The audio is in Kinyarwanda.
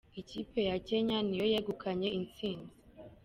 Ikipe ya Kenya niyo yegukanye intsinzi.